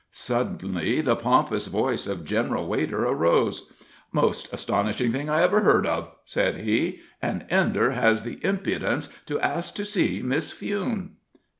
Suddenly the pompous voice of General Wader arose: "Most astonishing thing I ever heard of," said he. "An Ender has the impudence to ask to see Miss Fewne!"